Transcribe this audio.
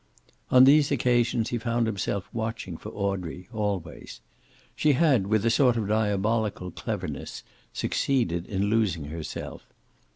On these occasions he found himself watching for Audrey, always. She had, with a sort of diabolical cleverness, succeeded in losing herself.